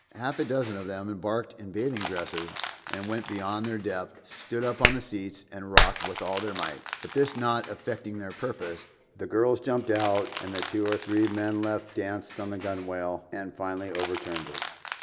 Half a dozen of them embarked in bathing dresses and when beyond their depth stood up on the seats and rocked with all their might; but this not effecting their purpose, the girls jumped out and the two or three men left danced on the gunwale and finally overturned it.